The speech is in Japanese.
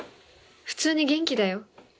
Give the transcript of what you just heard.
普通に元気だよ。